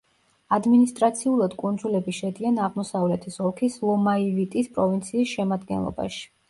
ადმინისტრაციულად კუნძულები შედიან აღმოსავლეთის ოლქის ლომაივიტის პროვინციის შემადგენლობაში.